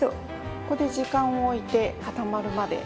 ここで時間を置いて固まるまで待ちましょう。